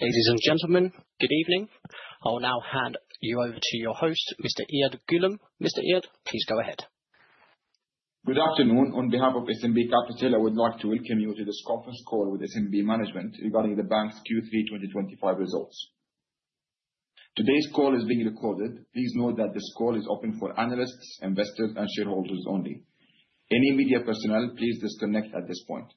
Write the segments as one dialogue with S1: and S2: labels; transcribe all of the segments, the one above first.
S1: Ladies and gentlemen, good evening. I will now hand you over to your host, Mr. Iyad Ghulam. Mr. Iyad, please go ahead.
S2: Good afternoon. On behalf of SNB Capital, I would like to welcome you to this conference call with SNB management regarding the bank's Q3 2025 results. Today's call is being recorded. Please note that this call is open for analysts, investors, and shareholders only. Any media personnel, please disconnect at this point.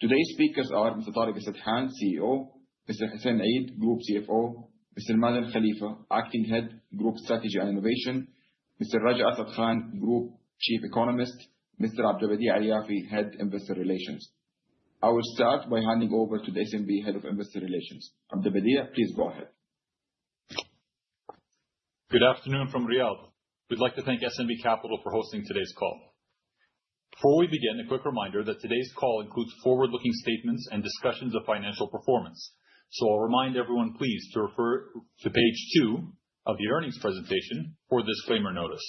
S2: Today's speakers are Mr. Tareq Al-Sadhan, CEO, Mr. Hussein Eid, Group CFO, Mr. Mazen Khalifah, Acting Group Head of Strategy and Innovation, Mr. Raja Asad Khan, Group Chief Economist, Mr. Abdulbadie Alyafi, Head Investor Relations. I will start by handing over to the SNB Head of Investor Relations. Abdulbadie, please go ahead.
S3: Good afternoon from Riyadh. We'd like to thank SNB Capital for hosting today's call. Before we begin, a quick reminder that today's call includes forward-looking statements and discussions of financial performance. I'll remind everyone please to refer to page 2 of the Earnings Presentation for disclaimer notice.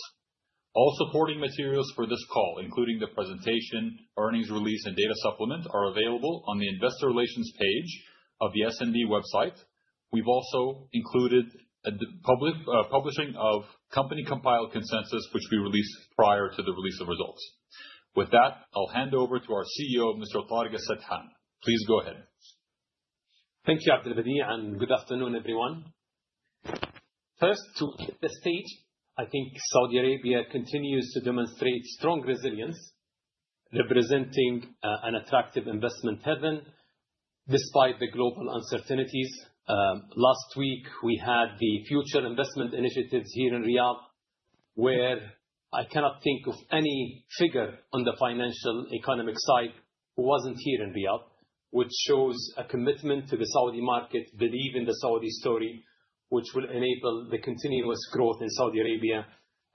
S3: All supporting materials for this call, including the presentation, Earnings Release, and Data Supplement, are available on the Investor Relations page of the SNB website. We've also included a public publishing of company-compiled consensus, which we release prior to the release of results. With that, I'll hand over to our CEO, Mr. Tareq Al-Sadhan. Please go ahead.
S4: Thank you, Abdulbadie Alyafi, and good afternoon, everyone. First, to set the stage, I think Saudi Arabia continues to demonstrate strong resilience, representing an attractive investment haven despite the global uncertainties. Last week we had the Future Investment Initiative here in Riyadh, where I cannot think of any figure on the financial economic side who wasn't here in Riyadh, which shows a commitment to the Saudi market, believe in the Saudi story, which will enable the continuous growth in Saudi Arabia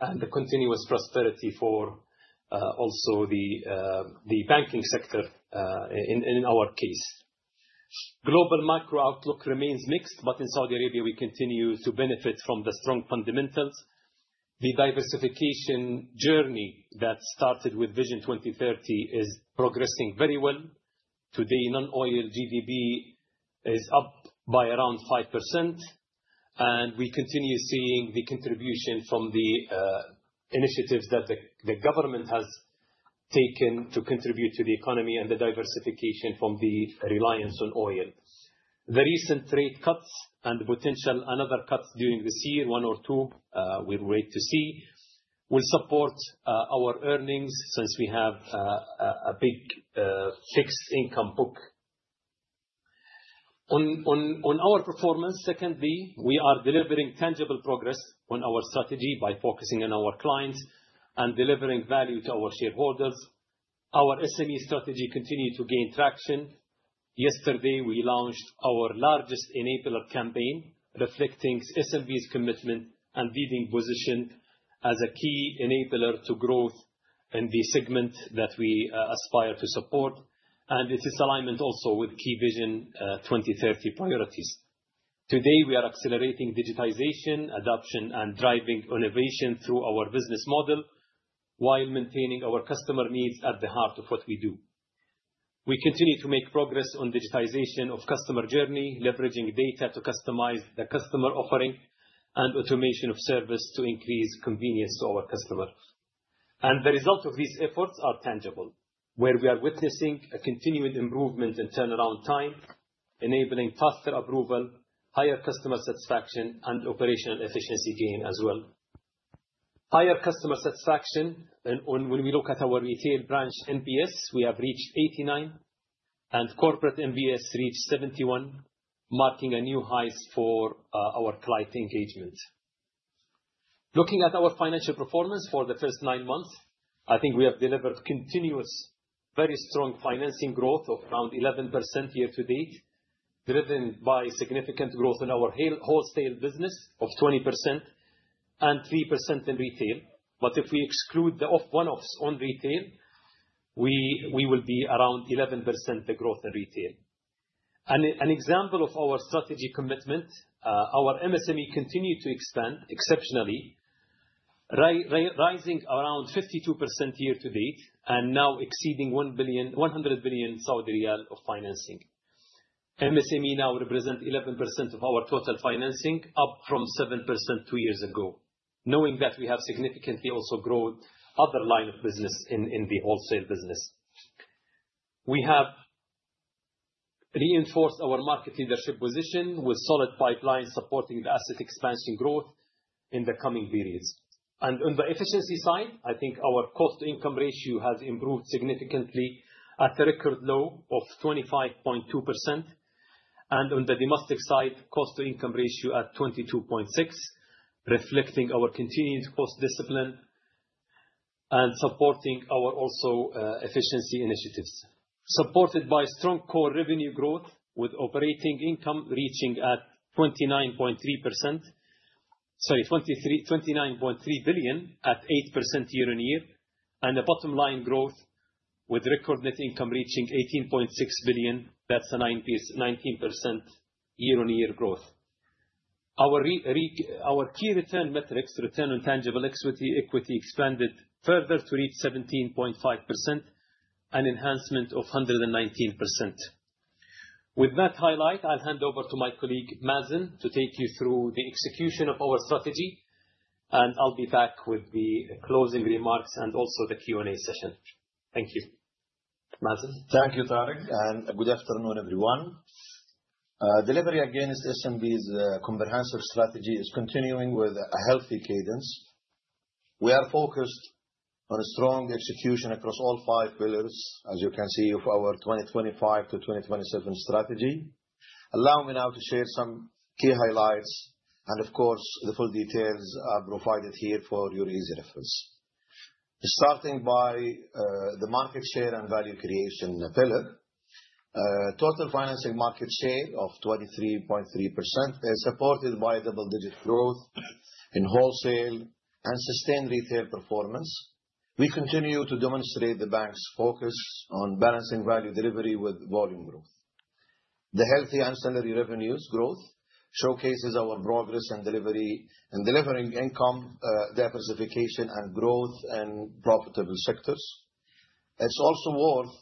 S4: and the continuous prosperity for also the banking sector in our case. Global macro outlook remains mixed, but in Saudi Arabia we continue to benefit from the strong fundamentals. The diversification journey that started with Vision 2030 is progressing very well. Today, non-oil GDP is up by around 5%, and we continue seeing the contribution from the initiatives that the government has taken to contribute to the economy and the diversification from the reliance on oil. The recent rate cuts and potential another cuts during this year, 1 or 2, we'll wait to see, will support our earnings since we have a big fixed income book. On our performance, secondly, we are delivering tangible progress on our strategy by focusing on our clients and delivering value to our shareholders. Our SME strategy continue to gain traction. Yesterday, we launched our largest enabler campaign reflecting SNB's commitment and leading position as a key enabler to growth in the segment that we aspire to support, and it is alignment also with key Vision 2030 priorities. Today, we are accelerating digitization, adoption, and driving innovation through our business model while maintaining our customer needs at the heart of what we do. We continue to make progress on digitization of customer journey, leveraging data to customize the customer offering and automation of service to increase convenience to our customer. The result of these efforts are tangible, where we are witnessing a continued improvement in Turnaround Time, enabling faster approval, higher customer satisfaction, and operational efficiency gain as well. Higher customer satisfaction and when we look at our Retail Branch NPS, we have reached 89, and Corporate NPS reached 71, marking a new highs for our client engagement. Looking at our financial performance for the first nine months, I think we have delivered continuous very strong financing growth of around 11% year-to-date, driven by significant growth in our wholesale business of 20% and 3% in retail. If we exclude the one-offs on retail, we will be around 11% the growth in retail. An example of our strategy commitment, our MSME continue to expand exceptionally, rising around 52% year-to-date and now exceeding 100 billion Saudi riyal of financing. MSME now represent 11% of our total financing, up from 7% two years ago. Knowing that we have significantly also grown other line of business in the wholesale business. We have reinforced our market leadership position with solid pipelines supporting the asset expansion growth in the coming periods. On the efficiency side, I think our cost-to-income ratio has improved significantly at a record low of 25.2%. On the domestic side, cost-to-income ratio at 22.6%, reflecting our continued cost discipline and supporting our also, efficiency initiatives. Supported by strong core revenue growth with operating income reaching 29.3 billion at 8% year-on-year, and a bottom line growth with record net income reaching 18.6 billion. That's a 19% year-on-year growth. Our key return metrics, Return on Tangible Equity expanded further to reach 17.5%, an enhancement of 119%. With that highlight, I'll hand over to my colleague, Mazen, to take you through the execution of our strategy, and I'll be back with the closing remarks and also the Q&A session. Thank you. Mazen?
S5: Thank you, Tareq, and good afternoon, everyone. Delivery against SNB's comprehensive strategy is continuing with a healthy cadence. We are focused on a strong execution across all five pillars, as you can see, of our 2025-2027 strategy. Allow me now to share some key highlights and of course, the full details are provided here for your easy reference. Starting by the market share and value creation pillar. Total financing market share of 23.3% is supported by double-digit growth in wholesale and sustained retail performance. We continue to demonstrate the bank's focus on balancing value delivery with volume growth. The healthy ancillary revenues growth showcases our progress in delivering income diversification and growth in profitable sectors. It's also worth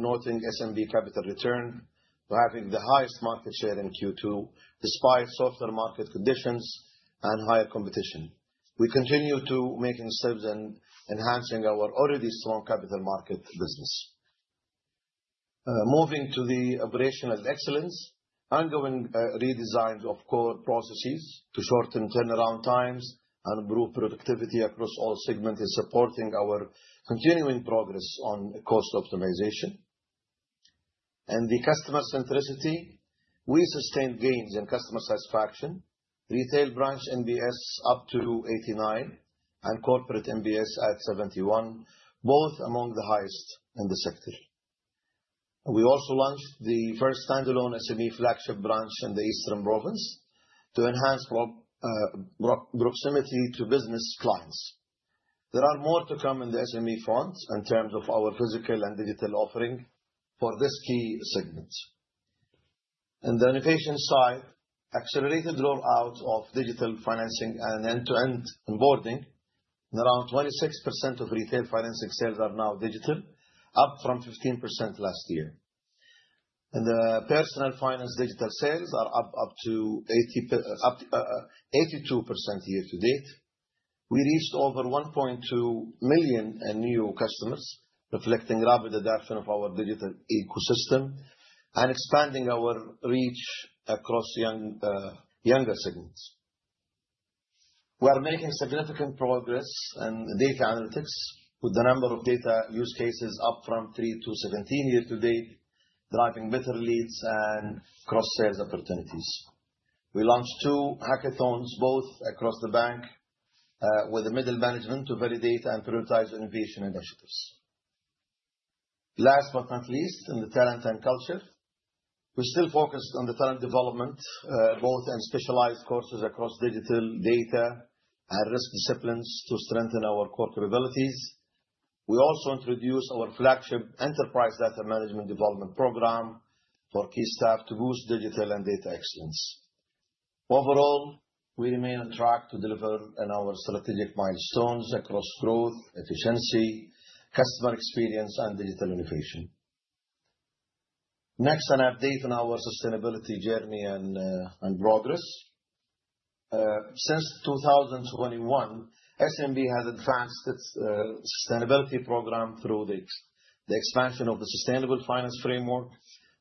S5: noting SNB Capital returned to having the highest market share in Q2 despite softer market conditions and higher competition. We continue to make strides in enhancing our already strong capital market business. Moving to operational excellence. Ongoing redesign of core processes to shorten Turnaround Times and improve productivity across all segments is supporting our continuing progress on cost optimization. In the customer centricity, we sustained gains in customer satisfaction. Retail Branch NPS up to 89 and Corporate NPS at 71, both among the highest in the sector. We also launched the first standalone SME flagship branch in the Eastern Province to enhance proximity to business clients. There are more to come in the SME front in terms of our physical and digital offering for this key segment. In the innovation side, accelerated rollout of digital financing and end-to-end onboarding. Around 26% of retail financing sales are now digital, up from 15% last year. The personal finance digital sales are up to 82% year-to-date. We reached over 1.2 million in new customers, reflecting rapid adoption of our digital ecosystem and expanding our reach across younger segments. We are making significant progress in data analytics with the number of data use cases up from 3 to 17 year-to-date, driving better leads and cross-sales opportunities. We launched two hackathons, both across the bank, with the middle management to validate and prioritize innovation initiatives. Last but not least, in the talent and culture, we're still focused on the talent development, both in specialized courses across digital, data, and risk disciplines to strengthen our core capabilities. We also introduced our flagship Enterprise Data Management development program for key staff to boost digital and data excellence. Overall, we remain on track to deliver on our strategic milestones across growth, efficiency, Customer Experience, and digital innovation. Next, an update on our sustainability journey and progress. Since 2021, SNB has advanced its sustainability program through the expansion of the Sustainable Finance Framework,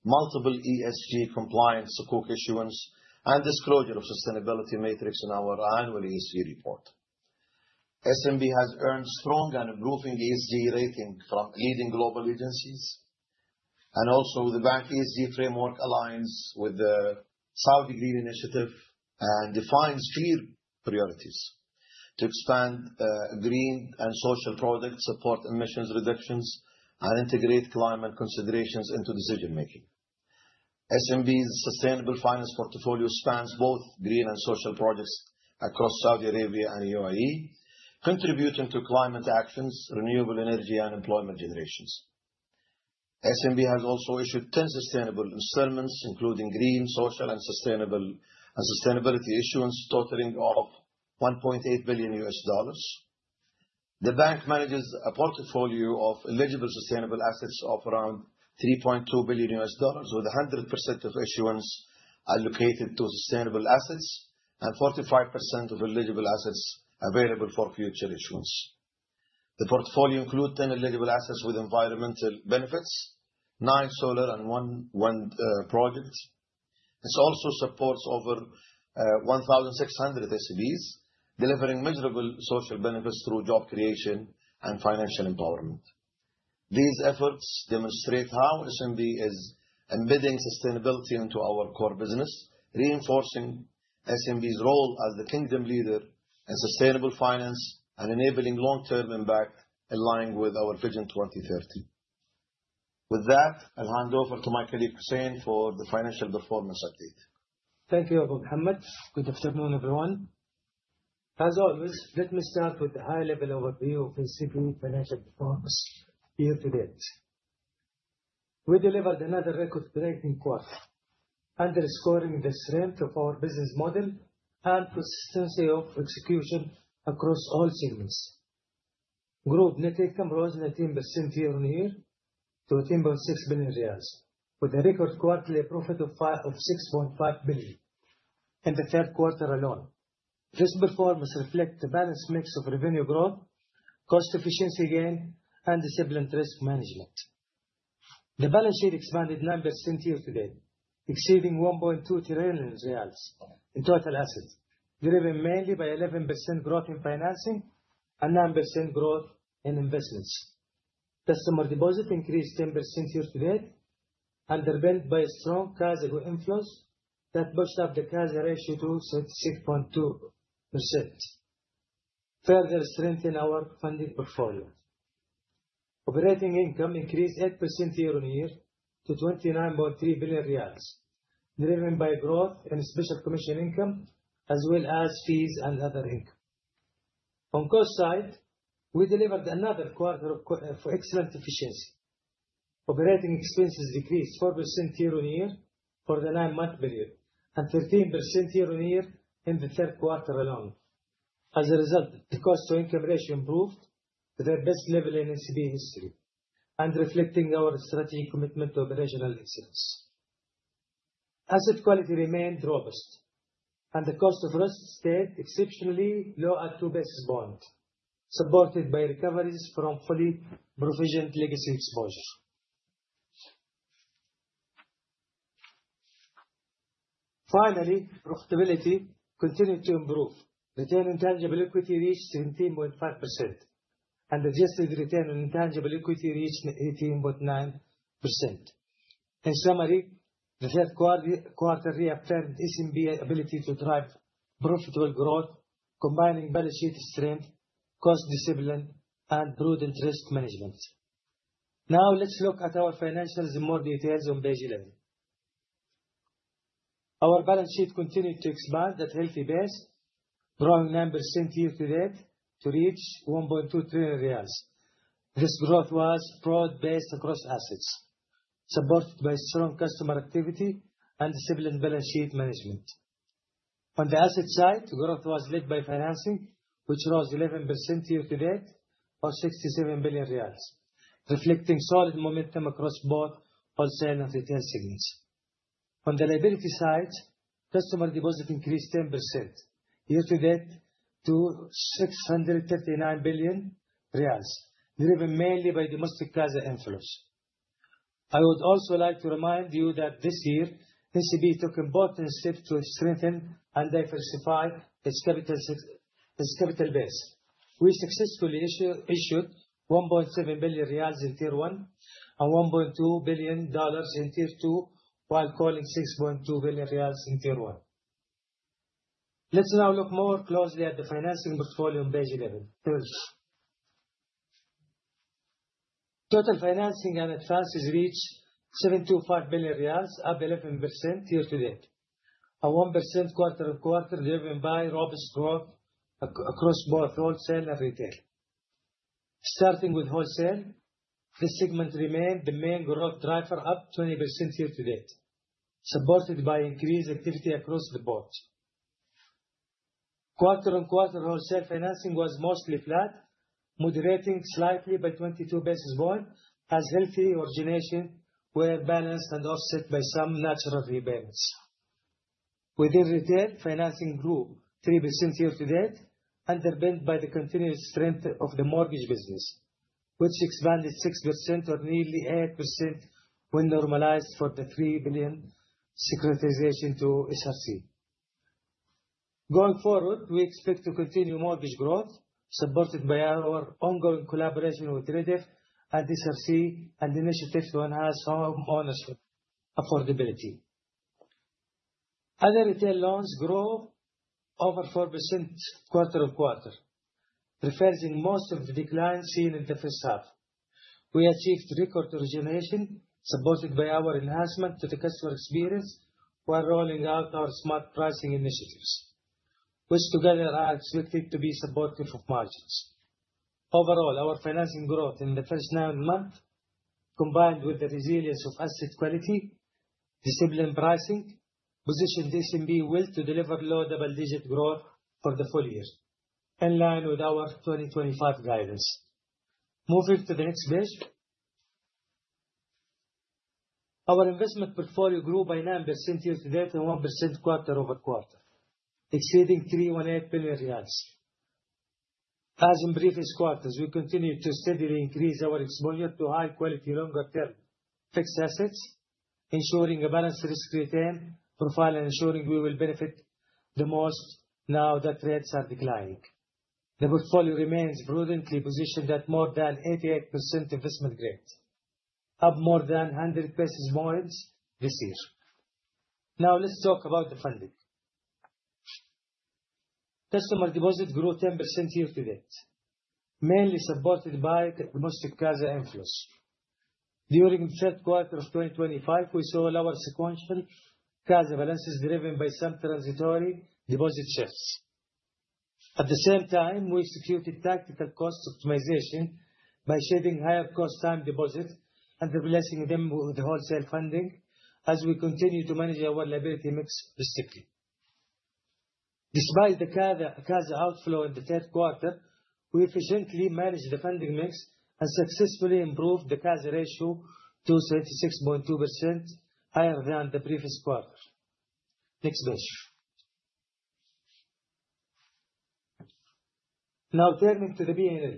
S5: multiple ESG compliance Sukuk issuance and disclosure of sustainability matrix in our annual ESG Report. SNB has earned strong and improving ESG rating from leading global agencies. Also the bank ESG framework aligns with the Saudi Green Initiative and defines clear priorities to expand green and social projects, support emissions reductions, and integrate climate considerations into decision-making. SNB's sustainable finance portfolio spans both green and social projects across Saudi Arabia and UAE, contributing to climate actions, renewable energy, and employment generations. SNB has also issued 10 sustainable instruments, including green, social and sustainable, and sustainability issuance totaling $1.8 billion. The bank manages a portfolio of eligible sustainable assets of around $3.2 billion, with 100% of issuance allocated to sustainable assets and 45% of eligible assets available for future issuance. The portfolio includes 10 eligible assets with environmental benefits, nine solar and one project. This also supports over 1,600 SMEs, delivering measurable social benefits through job creation and financial empowerment. These efforts demonstrate how SNB is embedding sustainability into our core business, reinforcing SNB's role as the Kingdom leader in sustainable finance and enabling long-term impact aligning with our Vision 2030. With that, I'll hand over to my colleague, Hussein, for the financial performance update.
S6: Thank you, Mazen. Good afternoon, everyone. As always, let me start with the high-level overview of SNB's financial performance year-to-date. We delivered another record breaking quarter, underscoring the strength of our business model and consistency of execution across all segments. Group net income rose 19% year-on-year to SAR 13.6 billion, with a record quarterly profit of six point five billion in the third quarter alone. This performance reflect the balanced mix of revenue growth, cost efficiency gain, and disciplined risk management. The balance sheet expanded 9% year-to-date, exceeding SAR 1.2 trillion in total assets, driven mainly by 11% growth in financing and 9% growth in investments. Customer deposit increased 10% year-to-date, underpinned by strong CASA inflows that pushed up the CASA ratio to 66.2%, further strengthening our funding portfolio. Operating income increased 8% year-on-year to 29.3 billion riyals, driven by growth in special commission income as well as fees and other income. On cost side, we delivered another quarter of cost control for excellent efficiency. Operating expenses decreased 4% year-on-year for the nine-month period, and 13% year-on-year in the third quarter alone. As a result, the cost-to-income ratio improved to their best level in SNB history, and reflecting our strategic commitment to operational excellence. Asset quality remained robust and the cost of risk stayed exceptionally low at 2 basis points, supported by recoveries from fully provisioned legacy exposure. Finally, profitability continued to improve. Return on Tangible Equity reached 17.5% and adjusted Return on Tangible Equity reached 18.9%. In summary, the third quarter reaffirmed SNB ability to drive profitable growth, combining balance sheet strength, cost discipline, and prudent risk management. Now let's look at our financials in more detail on page 11. Our balance sheet continued to expand at healthy pace, growing 9% year-to-date to reach SAR 1.2 trillion. This growth was broad-based across assets, supported by strong customer activity and disciplined balance sheet management. On the asset side, growth was led by financing, which rose 11% year-to-date or SAR 67 billion, reflecting solid momentum across both wholesale and retail segments. On the liability side, customer deposit increased 10% year-to-date to 639 billion riyals, driven mainly by domestic CASA inflows. I would also like to remind you that this year, SNB took important steps to strengthen and diversify its capital base. We successfully issued 1.7 billion riyals in Tier 1 and $1.2 billion in Tier 2 while calling 6.2 billion riyals in Tier 1. Let's now look more closely at the financing portfolio on page 11 please. Total financing and advances reached 725 billion riyals, up 11% year-to-date, and 1% quarter-on-quarter, driven by robust growth across both wholesale and retail. Starting with wholesale, this segment remained the main growth driver, up 20% year-to-date, supported by increased activity across the board. Quarter-on-quarter, wholesale financing was mostly flat, moderating slightly by 22 basis points as healthy origination were balanced and offset by some natural repayments. Within retail, financing grew 3% year-to-date, underpinned by the continuous strength of the mortgage business, which expanded 6% or nearly 8% when normalized for the 3 billion securitization to SRC. Going forward, we expect to continue mortgage growth supported by our ongoing collaboration with REDF and SRC and initiatives to enhance home ownership affordability. Other retail loans grow over 4% quarter-on-quarter, reversing most of the decline seen in the first half. We achieved record origination supported by our enhancement to the Customer Experience while rolling out our smart pricing initiatives, which together are expected to be supportive of margins. Overall, our financing growth in the first nine months, combined with the resilience of asset quality, disciplined pricing, positions SNB well to deliver low double-digit growth for the full year, in line with our 2025 guidance. Moving to the next page. Our investment portfolio grew by 9% year-to-date and 1% quarter-over-quarter, exceeding SAR 318 billion. In previous quarters, we continue to steadily increase our exposure to high quality, longer term fixed assets, ensuring a balanced risk return profile and ensuring we will benefit the most now that rates are declining. The portfolio remains prudently positioned at more than 88% investment grade, up more than 100 basis points this year. Now let's talk about the funding. Customer deposits grew 10% year-to-date, mainly supported by domestic CASA inflows. During the third quarter of 2025, we saw lower sequential CASA balances driven by some transitory deposit shifts. At the same time, we secured tactical cost optimization by shedding higher cost time deposits and replacing them with wholesale funding as we continue to manage our liability mix strictly. Despite the CASA outflow in the third quarter, we efficiently managed the funding mix and successfully improved the CASA ratio to 36.2% higher than the previous quarter. Next page. Now turning to the P&L.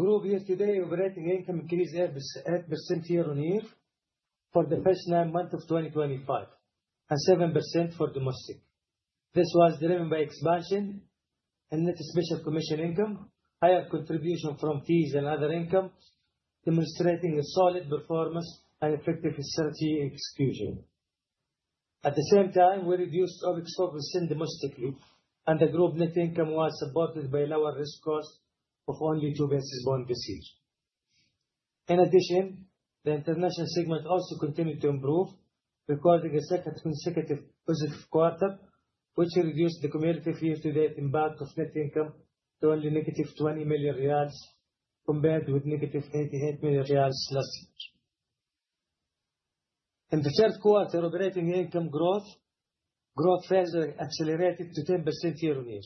S6: Group year-to-date operating income increased 8% year-on-year for the first nine months of 2025 and 7% for domestic. This was driven by expansion in the special commission income, higher contribution from fees and other income, demonstrating a solid performance and effective strategy execution. At the same time, we reduced OpEx overspend domestically and the group net income was supported by lower risk costs of only two basis points. In addition, the international segment also continued to improve, recording a second consecutive positive quarter, which reduced the cumulative year-to-date impact of net income to only negative SAR 20 million compared with negative SAR 88 million last year. In the third quarter, operating income growth further accelerated to 10% year-over-year.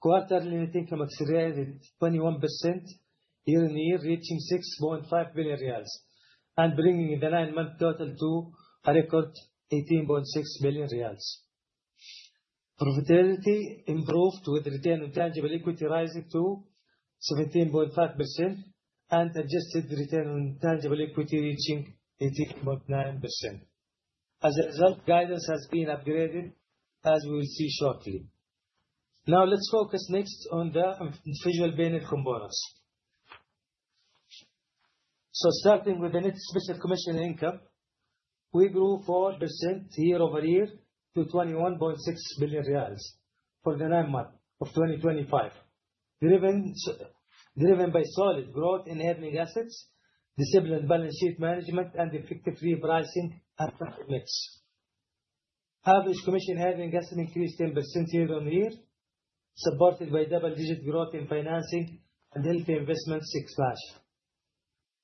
S6: Quarterly net income accelerated 21% year-over-year, reaching SAR 6.5 billion and bringing the nine-month total to a record SAR 18.6 billion. Profitability improved with Return on Tangible Equity rising to 17.5% and adjusted Return on Tangible Equity reaching 18.9%. As a result, guidance has been upgraded as we will see shortly. Now let's focus next on the individual P&L components. Starting with the Net Special Commission Income. We grew 4% year-over-year to SAR 21.6 billion for the nine months of 2025. Driven by solid growth in earning assets, disciplined balance sheet management, and effective repricing of asset mix. Average commission earning assets increased 10% year-over-year, supported by double-digit growth in financing and healthy investment six plus.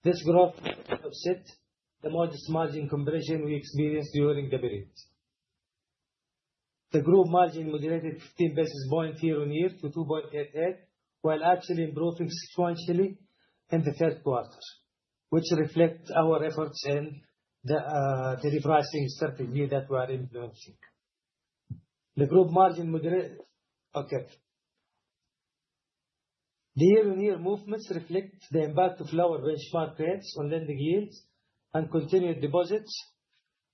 S6: This growth offset the modest margin compression we experienced during the period. The group margin moderated 15 basis points year-on-year to 2.88%, while actually improving sequentially in the third quarter, which reflect our efforts in the repricing strategy that we are implementing. The year-on-year movements reflect the impact of lower benchmark rates on lending yields and continued deposits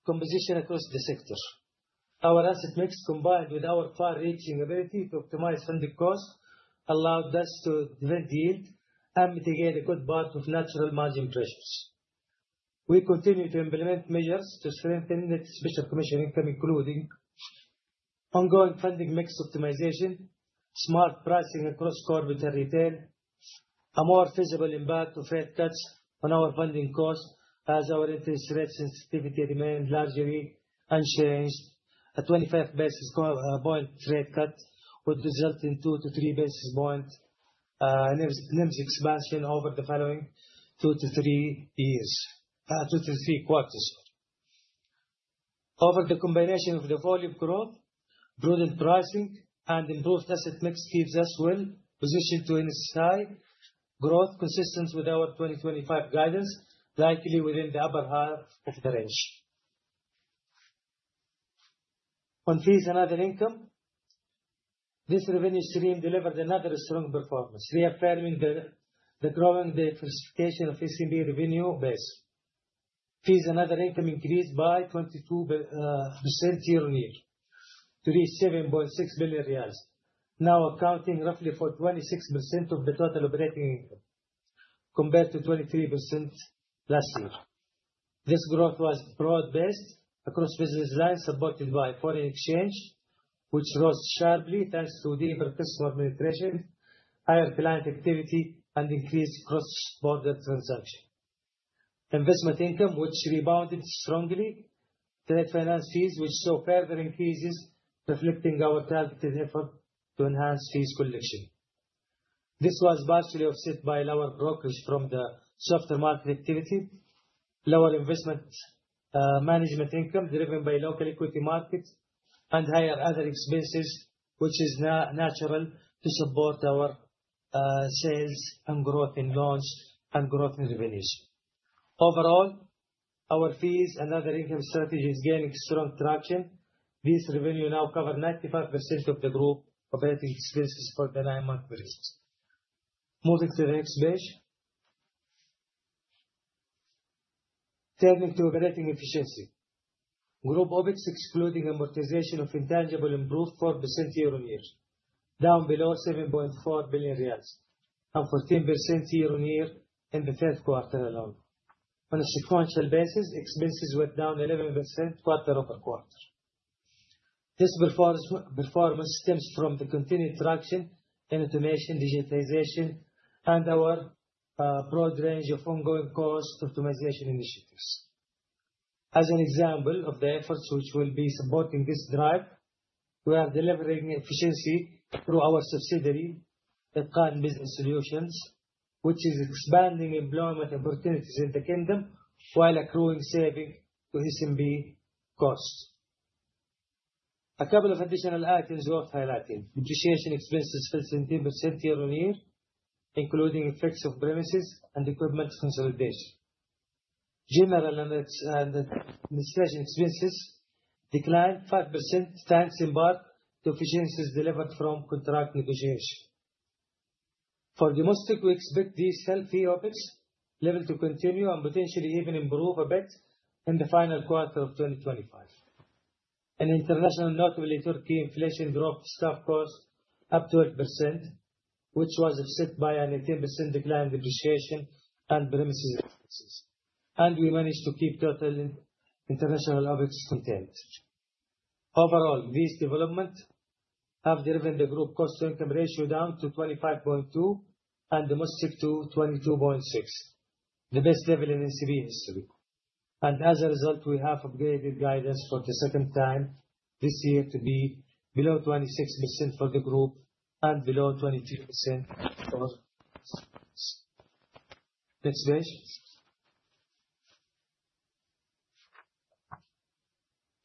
S6: composition across the sector. Our asset mix, combined with our far-reaching ability to optimize funding costs, allowed us to defend yield and mitigate a good part of natural margin pressures. We continue to implement measures to strengthen Net Special Commission Income, including ongoing funding mix optimization, smart pricing across corporate and retail, a more favorable impact of rate cuts on our funding costs as our interest rate sensitivity remains largely unchanged. A 25 basis point rate cut would result in 2-3 basis points NIM expansion over the following 2-3 quarters. Overall, the combination of the volume growth, prudent pricing, and improved asset mix keeps us well positioned to initiate growth consistent with our 2025 guidance, likely within the upper half of the range. On fees and other income, this revenue stream delivered another strong performance, reaffirming the growing diversification of SNB revenue base. Fees and other income increased by 22% year-on-year to reach SAR 7.6 billion, now accounting roughly for 26% of the total operating income compared to 23% last year. This growth was broad-based across business lines, supported by foreign exchange, which rose sharply thanks to deeper customer penetration, higher client activity, and increased cross-border transaction. Investment income, which rebounded strongly. Trade finance fees, which saw further increases reflecting our targeted effort to enhance fees collection. This was partially offset by lower brokerage from the softer market activity, lower investment management income driven by local equity markets and higher other expenses, which is natural to support our sales and growth in loans and growth in revenues. Overall, our fees and other income strategy is gaining strong traction. These revenue now cover 95% of the group operating expenses for the 9-month period. Moving to the next page. Turning to operating efficiency. Group OpEx, excluding amortization of intangible, improved 4% year-over-year, down below 7.4 billion riyals and 14% year-over-year in the third quarter alone. On a sequential basis, expenses were down 11% quarter-over-quarter. This performance stems from the continued traction in automation, digitalization, and our broad range of ongoing cost optimization initiatives. As an example of the efforts which will be supporting this drive, we are delivering efficiency through our subsidiary, Itqan Business Solutions, which is expanding employment opportunities in the Kingdom while accruing saving to SMB costs. A couple of additional items worth highlighting. Depreciation expenses rose 10% year-on-year, including effects of premises and equipment consolidation. General and administration expenses declined 5%, thanks in part to efficiencies delivered from contract negotiation. For domestic, we expect this healthy OPEX level to continue and potentially even improve a bit in the final quarter of 2025. In international, notably Turkey, inflation drove staff costs up 12%, which was offset by an 18% decline in depreciation and premises expenses. We managed to keep total international OpEx contained. Overall, these developments have driven the group cost-to-income ratio down to 25.2 and domestic to 22.6, the best level in SNB history. As a result, we have upgraded guidance for the second time this year to be below 26% for the group and below 22% for domestic. Next page.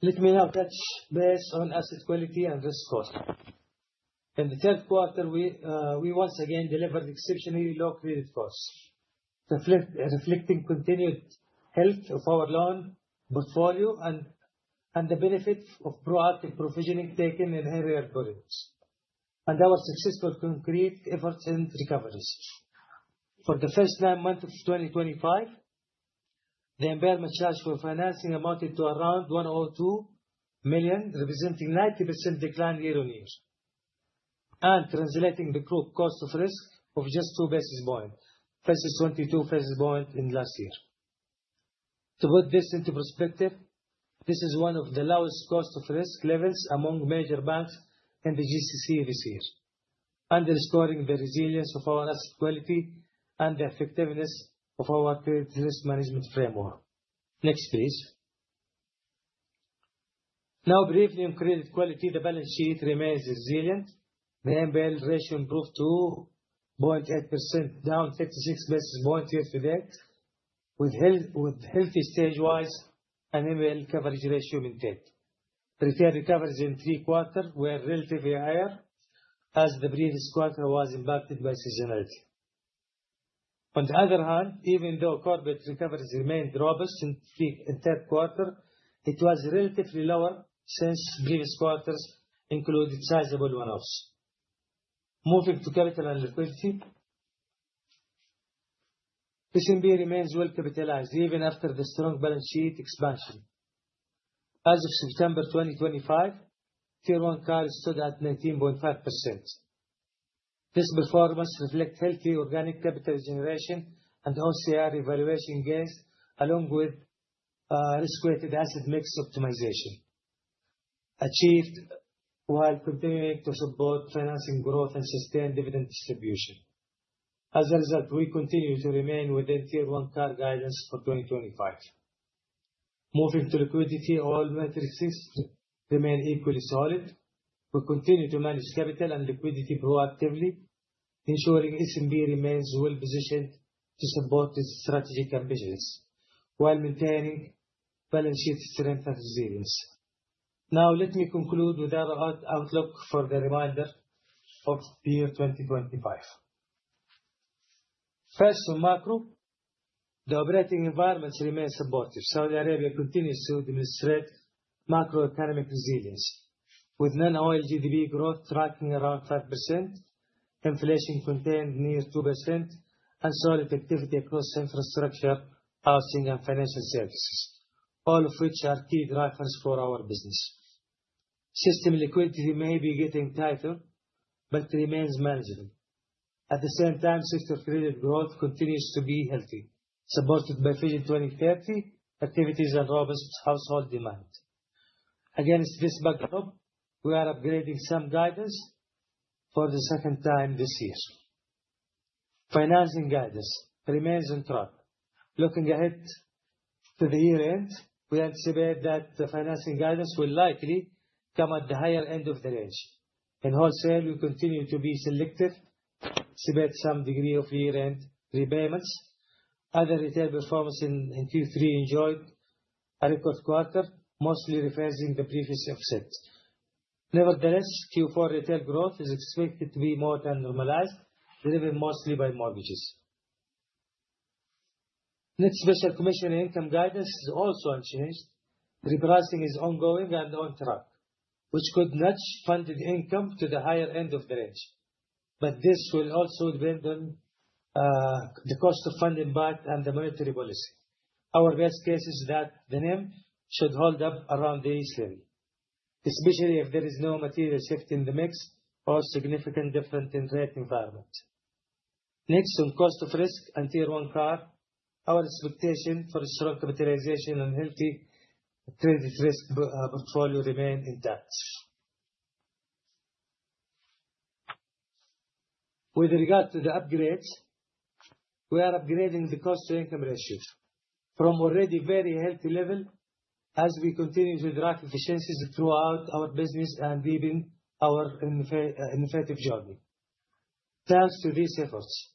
S6: Let me now touch base on asset quality and risk cost. In the third quarter we once again delivered exceptionally low credit costs, reflecting continued health of our loan portfolio and the benefit of proactive provisioning taken in earlier quarters, and our successful concerted efforts and recoveries. For the first nine months of 2025, the impairment charge for financing amounted to around 102 million, representing 90% decline year-on-year. Translating the group cost of risk of just 2 basis points versus 22 basis points in last year. To put this into perspective, this is one of the lowest cost of risk levels among major banks in the GCC this year, underscoring the resilience of our asset quality and the effectiveness of our credit risk management framework. Next please. Now, briefly on credit quality. The balance sheet remains resilient. The NPL ratio improved to 0.8%, down 36 basis points year-to-date. With healthy stage-wise and NPL coverage ratio intact. Retail recoveries in Q3 were relatively higher as the previous quarter was impacted by seasonality. On the other hand, even though corporate recoveries remained robust in third quarter, it was relatively lower since previous quarters included sizable one-offs. Moving to capital and liquidity. SNB remains well-capitalized even after the strong balance sheet expansion. As of September 2025, Tier 1 CAR stood at 19.5%. This performance reflects healthy organic capital generation and OCI revaluation gains, along with Risk-Weighted Asset mix optimization, achieved while continuing to support financing growth and sustained dividend distribution. As a result, we continue to remain within Tier 1 CAR guidance for 2025. Moving to liquidity, all metrics remain equally solid. We continue to manage capital and liquidity proactively, ensuring SNB remains well-positioned to support its strategic ambitions while maintaining balance sheet strength and resilience. Now, let me conclude with our outlook for the remainder of the year 2025. First, on macro. The operating environment remains supportive. Saudi Arabia continues to demonstrate macroeconomic resilience, with non-oil GDP growth tracking around 5%, inflation contained near 2%, and solid activity across infrastructure, housing, and financial services, all of which are key drivers for our business. System liquidity may be getting tighter but remains manageable. At the same time, system credit growth continues to be healthy, supported by Vision 2030 activities and robust household demand. Against this backdrop, we are upgrading some guidance for the second time this year. Financing guidance remains on track. Looking ahead to the year-end, we anticipate that the financing guidance will likely come at the higher end of the range. In wholesale, we continue to be selective, despite some degree of year-end repayments. Other retail performance in Q3 enjoyed a record quarter, mostly reversing the previous offset. Nevertheless, Q4 retail growth is expected to be more than normalized, driven mostly by mortgages. Net Special Commission Income guidance is also unchanged. Repricing is ongoing and on track, which could nudge funded income to the higher end of the range, but this will also depend on the cost of funding part and the monetary policy. Our best guess is that the NIM should hold up around this level, especially if there is no material shift in the mix or significant difference in rate environment. Next, on cost of risk and Tier 1 CAR. Our expectation for strong capitalization and healthy credit risk portfolio remain intact. With regard to the upgrades, we are upgrading the cost-to-income ratios from already very healthy level as we continue to drive efficiencies throughout our business and within our innovative journey. Thanks to these efforts,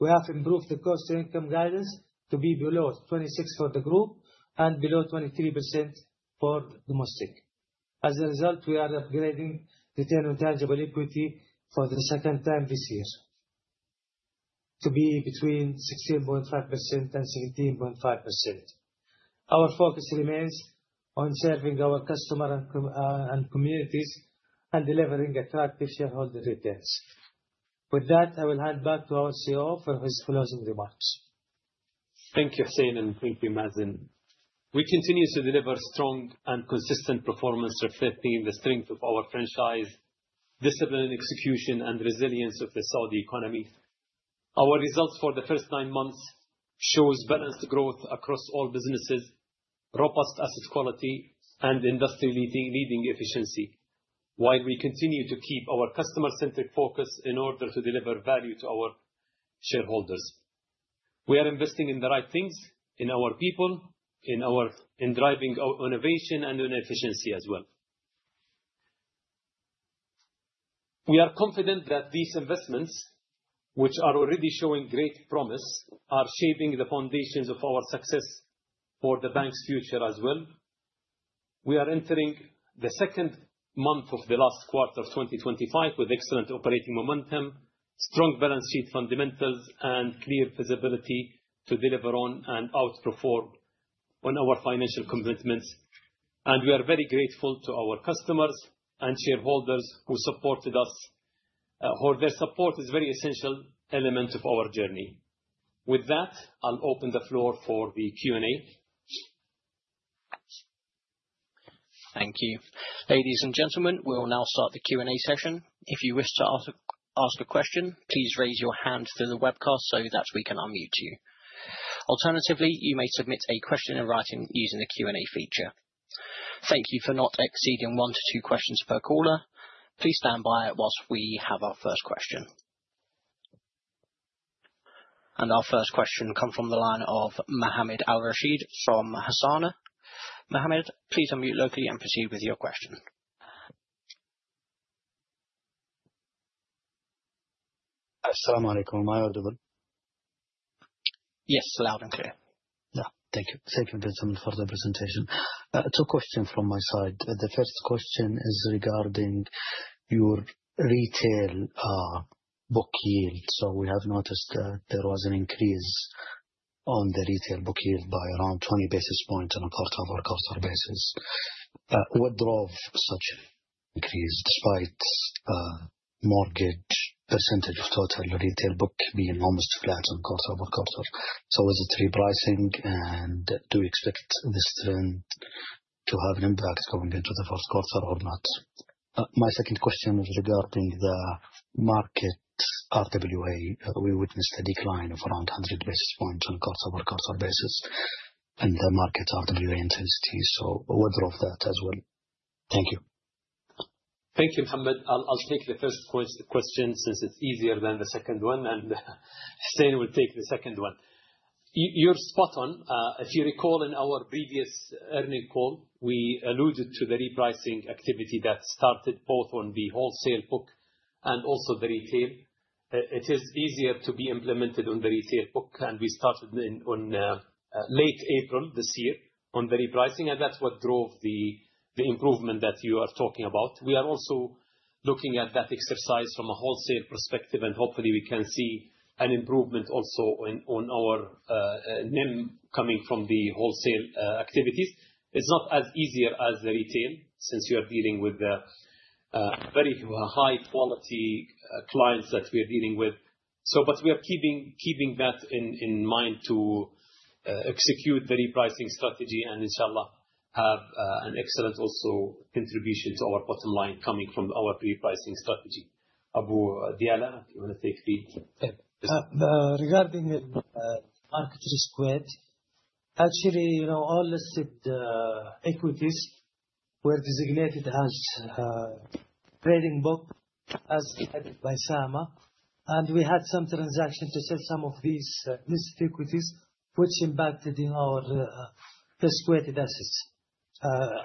S6: we have improved the cost to income guidance to be below 26 for the group and below 23% for domestic. As a result, we are upgrading Return on Tangible Equity for the second time this year to be between 16.5% and 17.5%. Our focus remains on serving our customer and communities and delivering attractive shareholder returns. With that, I will hand back to our CEO for his closing remarks.
S4: Thank you, Hussein, and thank you, Mazen. We continue to deliver strong and consistent performance reflecting the strength of our franchise, discipline, execution and resilience of the Saudi economy. Our results for the first nine months shows balanced growth across all businesses, robust asset quality and industry-leading efficiency. While we continue to keep our customer-centric focus in order to deliver value to our shareholders. We are investing in the right things, in our people, in driving innovation and in efficiency as well. We are confident that these investments, which are already showing great promise, are shaping the foundations of our success for the bank's future as well. We are entering the second month of the last quarter of 2025 with excellent operating momentum, strong balance sheet fundamentals, and clear visibility to deliver on and outperform on our financial commitments. We are very grateful to our customers and shareholders who supported us, for their support is very essential element of our journey. With that, I'll open the floor for the Q&A.
S1: Thank you. Ladies and gentlemen, we will now start the Q&A session. If you wish to ask a question, please raise your hand through the webcast so that we can unmute you. Alternatively, you may submit a question in writing using the Q&A feature. Thank you for not exceeding one to two questions per caller. Please stand by while we have our first question. Our first question comes from the line of Mohammed Al-Rashid from Hassana. Mohammed, please unmute locally and proceed with your question.
S7: As-salamu alaykum. Am I audible?
S1: Yes, loud and clear.
S7: Thank you. Thank you, gentlemen, for the presentation. Two questions from my side. The first question is regarding your retail book yield. We have noticed that there was an increase on the retail book yield by around 20 basis points on a quarter-over-quarter basis. What drove such increase despite mortgage percentage of total retail book being almost flat on quarter-over-quarter? Is it repricing and do we expect this trend to have an impact going into the first quarter or not? My second question is regarding the Market RWA. We witnessed a decline of around 100 basis points on quarter-over-quarter basis and the Market RWA intensity. What drove that as well? Thank you.
S4: Thank you, Mohammed. I'll take the first question since it's easier than the second one, and Hussein will take the second one. You're spot on. If you recall, in our previous earnings call, we alluded to the repricing activity that started both on the wholesale book and also the retail. It is easier to be implemented on the retail book, and we started in late April this year on the repricing, and that's what drove the improvement that you are talking about. We are also looking at that exercise from a wholesale perspective and hopefully we can see an improvement also on our NIM coming from the wholesale activities. It's not as easier as the retail since we are dealing with very high quality clients that we are dealing with. We are keeping that in mind to execute the repricing strategy and Inshallah have an excellent also contribution to our bottom line coming from our repricing strategy. Hussein Eid, do you wanna take the lead?
S6: Regarding market risk RWA. Actually, you know, all listed equities were designated as trading book as guided by SAMA, and we had some transactions to sell some of these listed equities, which impacted our Risk-Weighted Assets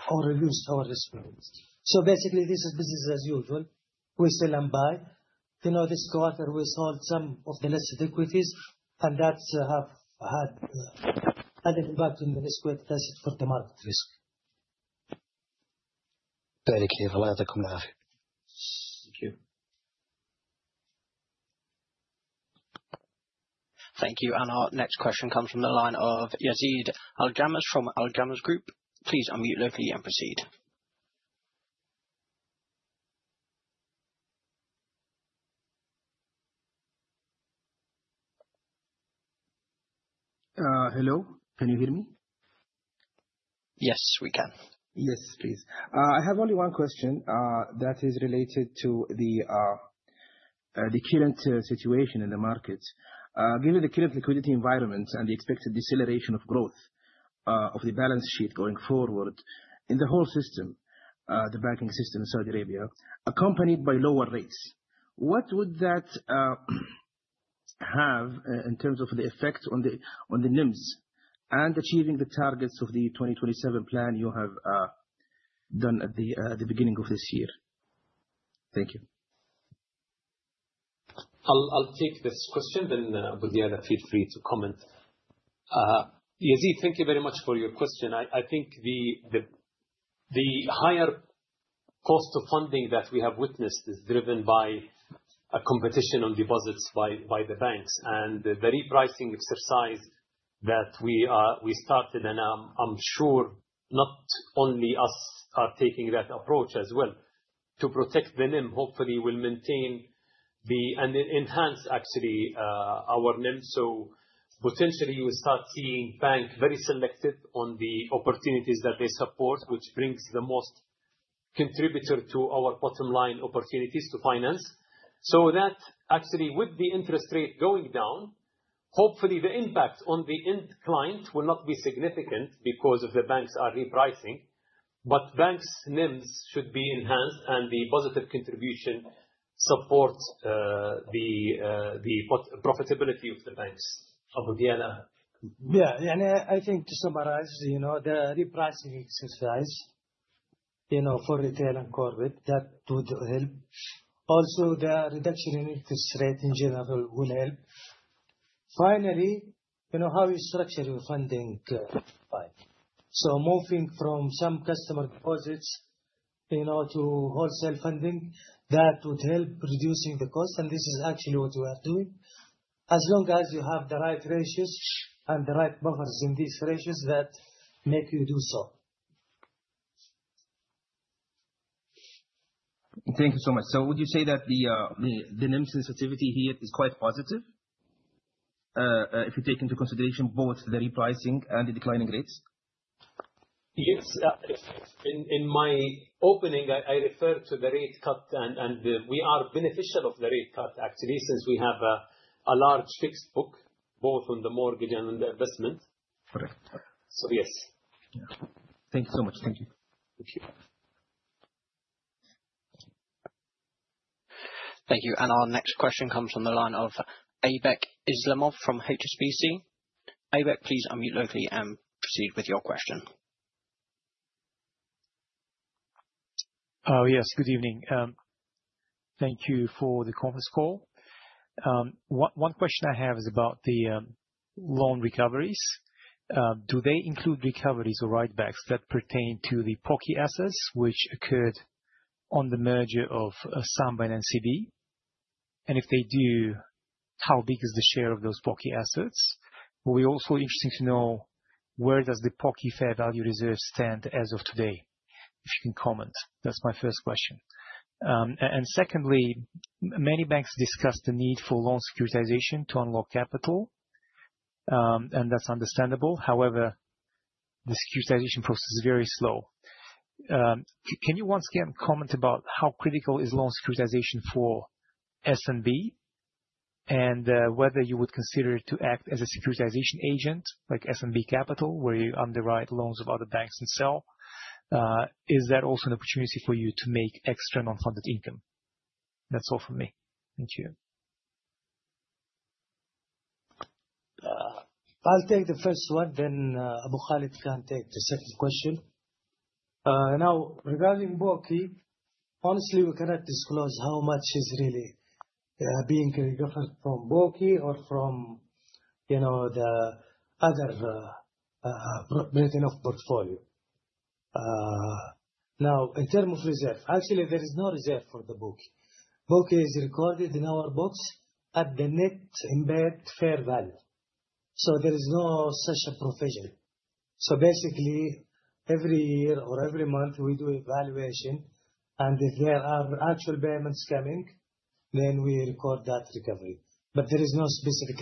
S6: or reduced our risk weights. Basically, this is business as usual. We sell and buy. You know, this quarter we sold some of the listed equities and that had impact on the Risk-Weighted Assets for the market risk.
S7: Very clear. Well, thank you very much. Thank you.
S1: Thank you. Our next question comes from the line of Yazeed Al-Ghamdi from Al-Ghamdi Group. Please unmute locally and proceed.
S8: Hello, can you hear me?
S1: Yes, we can.
S8: Yes, please. I have only one question, that is related to the current situation in the market. Given the current liquidity environment and the expected deceleration of growth of the balance sheet going forward in the whole system, the banking system in Saudi Arabia, accompanied by lower rates, what would that, In terms of the effect on the NIMs and achieving the targets of the 2027 plan you have done at the beginning of this year. Thank you.
S4: I'll take this question then, Hussein Eid feel free to comment. Yazeed Al-Ghamdi, thank you very much for your question. I think the higher cost of funding that we have witnessed is driven by a competition on deposits by the banks. The repricing exercise that we started, and I'm sure not only us are taking that approach as well to protect the NIM, hopefully will maintain and enhance actually our NIM. Potentially you will start seeing banks very selective on the opportunities that they support, which brings the most contribution to our bottom line opportunities to finance. That actually, with the interest rate going down, hopefully the impact on the end client will not be significant because the banks are repricing, but banks' NIMS should be enhanced and the positive contribution supports the profitability of the banks. Hussein Eid.
S6: I think to summarize, you know, the repricing exercise, you know, for retail and corporate, that would help. Also, the reduction in interest rate in general will help. Finally, you know, how you structure your funding pipeline. Moving from some customer deposits, you know, to wholesale funding, that would help reducing the cost, and this is actually what we are doing. As long as you have the right ratios and the right buffers in these ratios that make you do so.
S8: Thank you so much. Would you say that the NIM sensitivity here is quite positive, if you take into consideration both the repricing and the declining rates?
S4: Yes. In my opening I referred to the rate cut and we are beneficiaries of the rate cut actually, since we have a large fixed book both on the mortgage and on the investment.
S8: Okay.
S4: Yes.
S8: Thank you so much. Thank you.
S4: Thank you.
S1: Thank you. Our next question comes from the line of Aybek Islamov from HSBC. Aybek, please unmute locally and proceed with your question.
S9: Oh, yes. Good evening. Thank you for the conference call. One question I have is about the loan recoveries. Do they include recoveries or write-backs that pertain to the legacy assets which occurred on the merger of Samba and SNB? And if they do, how big is the share of those legacy assets? We're also interested to know where does the legacy fair value reserve stand as of today? If you can comment. That's my first question. Secondly, many banks discuss the need for loan securitization to unlock capital, and that's understandable. However, the securitization process is very slow. Can you once again comment about how critical is loan securitization for SNB? And whether you would consider to act as a securitization agent like SNB Capital, where you underwrite loans of other banks and sell? Is that also an opportunity for you to make extra non-funded income? That's all from me. Thank you.
S6: I'll take the first one, then, Tareq Al-Sadhan can take the second question. Now, regarding PPA, honestly, we cannot disclose how much is really being recovered from PPA or from, you know, the other portfolio. Now, in terms of reserve, actually there is no reserve for the PPA. It is recorded in our books at the net embedded fair value. There is no such a provision. Basically every year or every month we do evaluation, and if there are actual payments coming, then we record that recovery. But there is no specific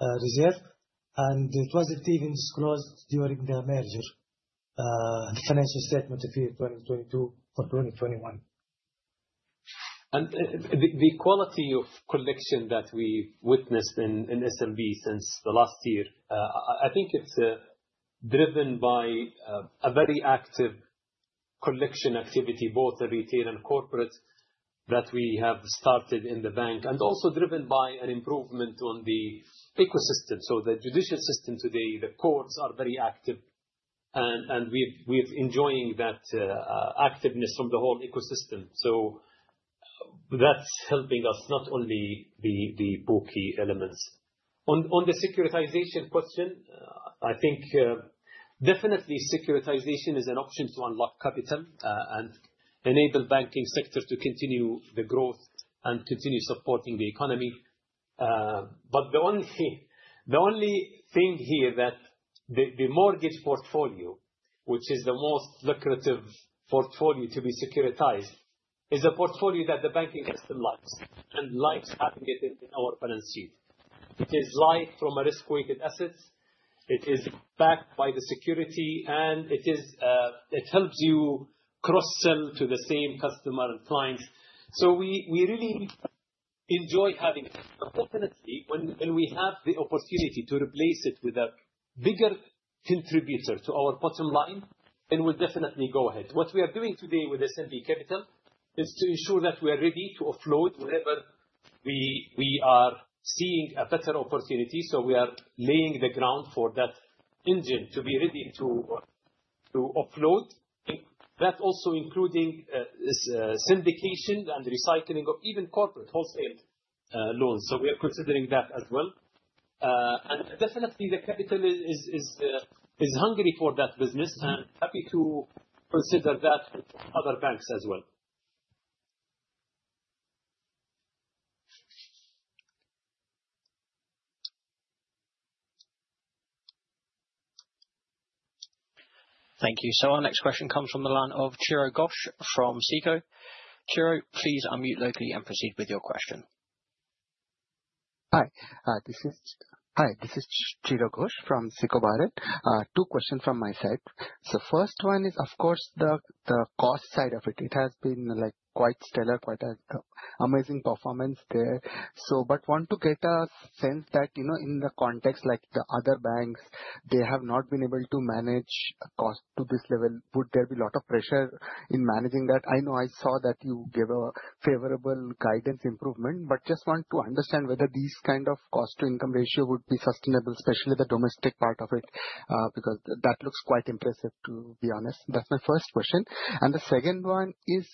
S6: reserve, and it wasn't even disclosed during the merger, the financial statement of year 2022 or 2021.
S4: The quality of collection that we've witnessed in SMB since the last year, I think it's driven by a very active collection activity, both the retail and corporate that we have started in the bank, and also driven by an improvement on the ecosystem. The judicial system today, the courts are very active and we're enjoying that activeness from the whole ecosystem. That's helping us, not only the PPA elements. On the securitization question, I think definitely securitization is an option to unlock capital, and enable banking sector to continue the growth and continue supporting the economy. The only thing here that the mortgage portfolio, which is the most lucrative portfolio to be securitized, is a portfolio that the banking system likes having it in our balance sheet. It is light on Risk-Weighted Assets. It is backed by the security, and it helps you cross-sell to the same customer and clients. We really enjoy having it. Definitely when we have the opportunity to replace it with a bigger contributor to our bottom line, it will definitely go ahead. What we are doing today with SNB Capital is to ensure that we are ready to offload wherever we are seeing a better opportunity. We are laying the groundwork for that engine to be ready to offload. That also including this syndication and recycling of even corporate wholesale loans. We are considering that as well. Definitely the capital is hungry for that business and happy to consider that with other banks as well.
S1: Thank you. Our next question comes from the line of Chiradeep Ghosh from SICO. Ciro, please unmute locally and proceed with your question.
S10: Hi, this is Chiradeep Ghosh from SICO Bahrain. Two questions from my side. First one is, of course, the cost side of it. It has been, like, quite stellar, like, amazing performance there. But want to get a sense that, you know, in the context like the other banks, they have not been able to manage cost to this level. Would there be a lot of pressure in managing that? I know I saw that you gave a favorable guidance improvement, but just want to understand whether these kind of cost-to-income ratio would be sustainable, especially the domestic part of it, because that looks quite impressive, to be honest. That's my first question. The second one is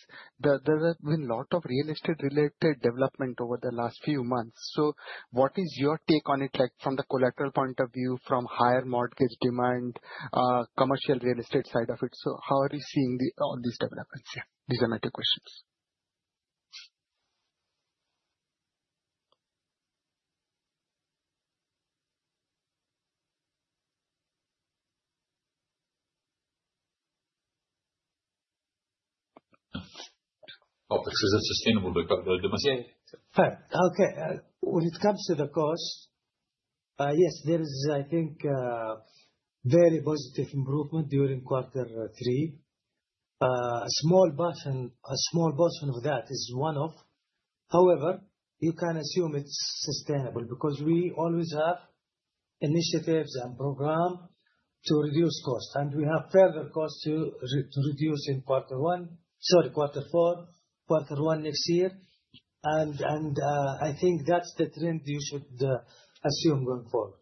S10: there have been a lot of real estate related development over the last few months. What is your take on it, like from the collateral point of view from higher mortgage demand, commercial real estate side of it? How are you seeing all these developments, yeah. These are my two questions.
S4: Is it sustainable because they're domestic?
S10: Yeah.
S4: Okay. When it comes to the cost, yes, there is, I think, a very positive improvement during quarter three. A small portion of that is one-off. However, you can assume it's sustainable because we always have initiatives and program to reduce cost. We have further cost to reduce in quarter four, quarter one next year. I think that's the trend you should assume going forward.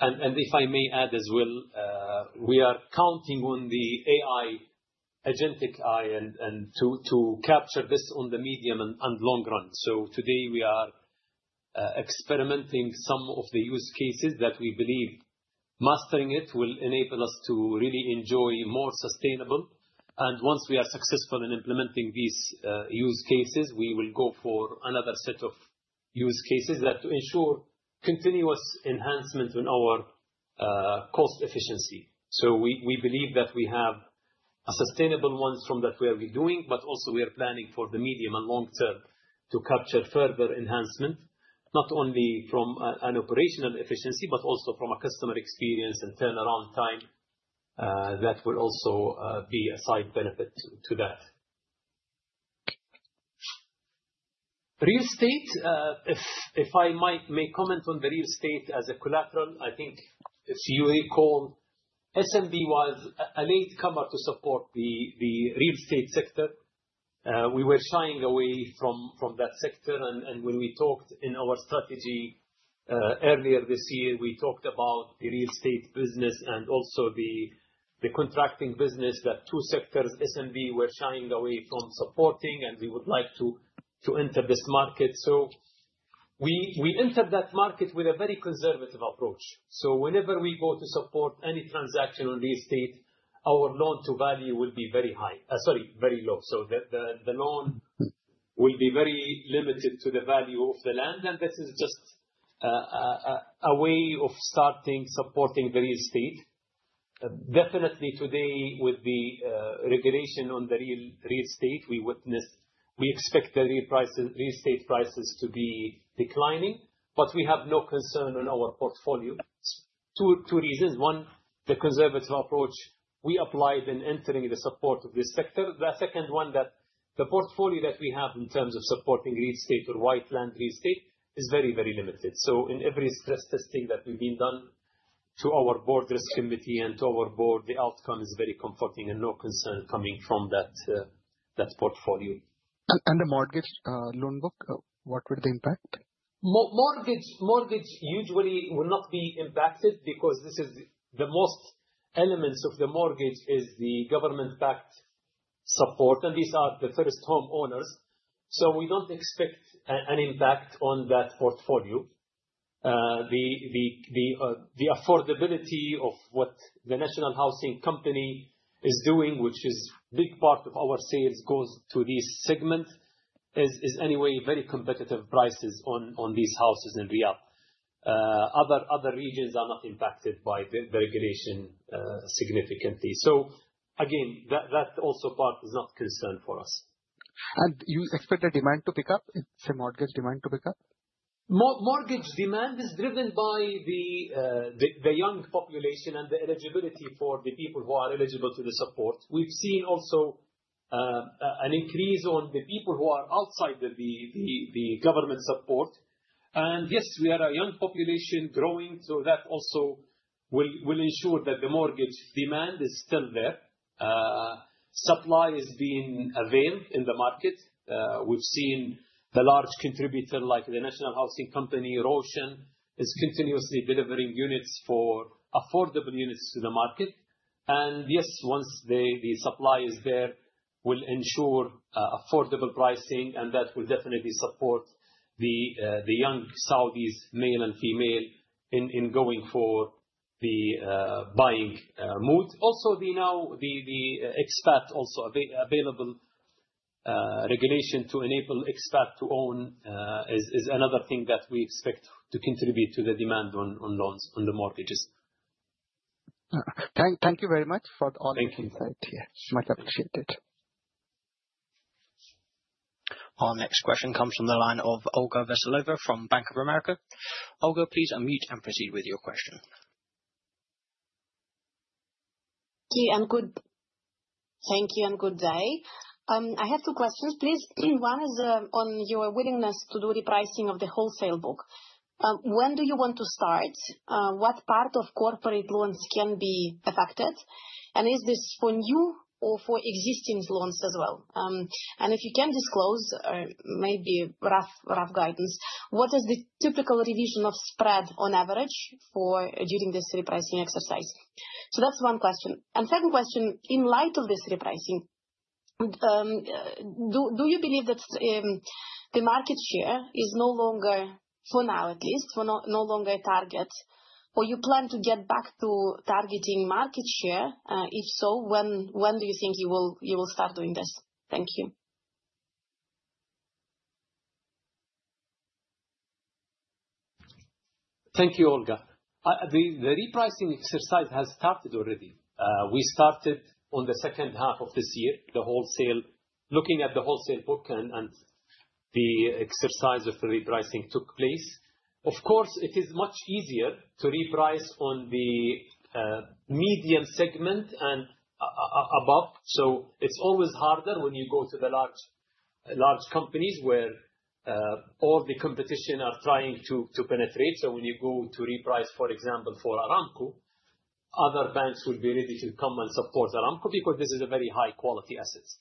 S4: If I may add as well, we are counting on the AI, Agentic AI and to capture this on the medium and long run. Today we are experimenting some of the use cases that we believe mastering it will enable us to really enjoy more sustainable. Once we are successful in implementing these use cases, we will go for another set of use cases that ensure continuous enhancement on our cost efficiency. We believe that we have sustainable ones from what we are doing, but also we are planning for the medium and long term to capture further enhancement, not only from an operational efficiency, but also from a Customer Experience and Turnaround Time, that will also be a side benefit to that. Real estate, if I may comment on the real estate as a collateral, I think as you recall, Samba was a latecomer to support the real estate sector. We were shying away from that sector and when we talked in our strategy earlier this year, we talked about the real estate business and also the contracting business, that two sectors SME were shying away from supporting, and we would like to enter this market. We entered that market with a very conservative approach. Whenever we go to support any transaction on real estate, our Loan-to-Value will be very high. Sorry, very low. The loan will be very limited to the value of the land, and this is just a way of starting supporting the real estate. Definitely today with the regulation on the real estate, we expect the real estate prices to be declining, but we have no concern on our portfolio. Two reasons. One, the conservative approach we applied in entering the support of this sector. The second one, that the portfolio that we have in terms of supporting real estate or wide land real estate is very, very limited. In every stress testing that we've done to our Board Risk Committee and to our Board, the outcome is very comforting and no concern coming from that portfolio.
S10: The mortgage loan book, what would the impact?
S4: Mortgage usually will not be impacted because the main element of the mortgage is the government-backed support, and these are the first-time homeowners. We don't expect an impact on that portfolio. The affordability of what the National Housing Company is doing, which is a big part of our sales goes to this segment, is anyway very competitive prices on these houses in Riyadh. Other regions are not impacted by the regulation significantly. Again, that part also is not a concern for us.
S10: You expect the demand to pick up? Say, mortgage demand to pick up?
S4: Mortgage demand is driven by the young population and the eligibility for the people who are eligible to the support. We've seen also an increase on the people who are outside the government support. Yes, we are a young population growing, so that also will ensure that the mortgage demand is still there. Supply is being availed in the market. We've seen a large contributor like the National Housing Company, ROSHN, is continuously delivering units for affordable units to the market. Yes, once the supply is there, will ensure affordable pricing, and that will definitely support the young Saudis, male and female, in going for the buying mood. Also the now The expat also available regulation to enable expat to own is another thing that we expect to contribute to the demand on loans on the mortgages.
S10: Thank you very much for all the insight.
S4: Thank you.
S10: Yes, much appreciated.
S1: Our next question comes from the line of Olga Veselova from Bank of America. Olga, please unmute and proceed with your question.
S11: Thank you and good day. I have two questions, please. One is on your willingness to do repricing of the wholesale book. When do you want to start? What part of corporate loans can be affected? And is this for new or for existing loans as well? If you can disclose, maybe rough guidance, what is the typical revision of spread on average for during this repricing exercise? That's one question. Second question: In light of this repricing, do you believe that the market share is no longer a target, for now at least? Or you plan to get back to targeting market share? If so, when do you think you will start doing this? Thank you.
S4: Thank you, Olga. The repricing exercise has started already. We started on the second half of this year, looking at the wholesale book and the exercise of the repricing took place. Of course, it is much easier to reprice on the medium segment and above. It's always harder when you go to the large companies where all the competition are trying to penetrate. When you go to reprice, for example, for Aramco, other banks will be ready to come and support Aramco because this is a very high quality assets.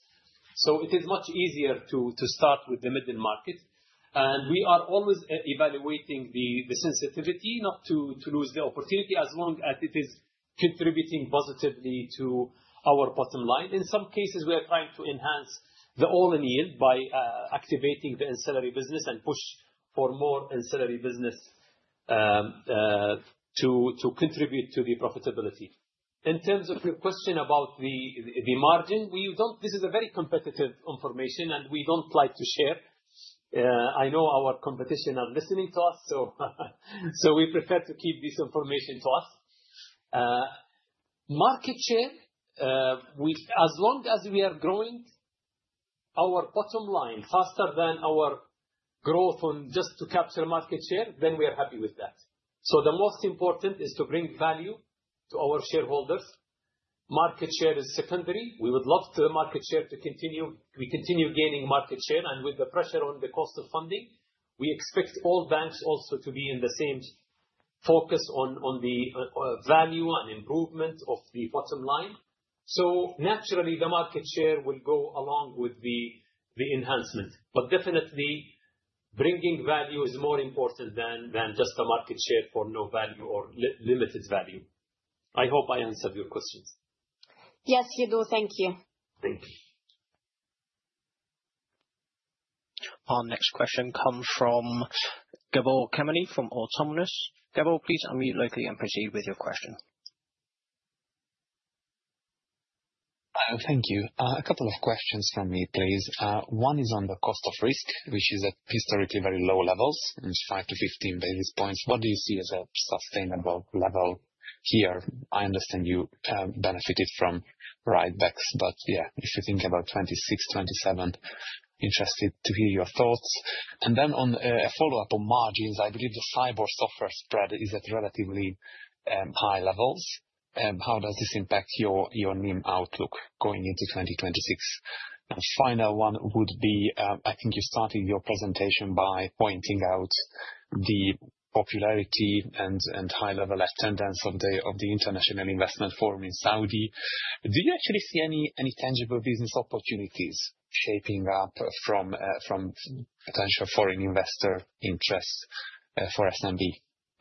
S4: It is much easier to start with the middle market. We are always evaluating the sensitivity not to lose the opportunity as long as it is contributing positively to our bottom line. In some cases, we are trying to enhance the all-in yield by activating the ancillary business and push for more ancillary business to contribute to the profitability. In terms of your question about the margin, this is very competitive information, and we don't like to share. I know our competition are listening to us, so we prefer to keep this information to us. Market share, as long as we are growing our bottom line faster than our growth on just to capture market share, then we are happy with that. The most important is to bring value to our shareholders. Market share is secondary. We would love for the market share to continue. We continue gaining market share, and with the pressure on the cost of funding, we expect all banks also to be in the same focus on the value and improvement of the bottom line. Naturally, the market share will go along with the enhancement. Definitely bringing value is more important than just a market share for no value or limited value. I hope I answered your questions.
S11: Yes, you do. Thank you.
S4: Thank you.
S1: Our next question comes from Gabor Kemeny from Autonomous. Gabor, please unmute locally and proceed with your question.
S12: Thank you. A couple of questions from me, please. One is on the cost of risk, which is at historically very low levels, it's 5-15 basis points. What do you see as a sustainable level here? I understand you benefited from writebacks. Yeah, if you think about 2026, 2027, interested to hear your thoughts. Then on a follow-up on margins, I believe the SAIBOR-SOFR spread is at relatively high levels. How does this impact your NIM outlook going into 2026? Final one would be, I think you started your presentation by pointing out the popularity and high-level attendance of the Future Investment Initiative in Saudi. Do you actually see any tangible business opportunities shaping up from potential foreign investor interest for SNB?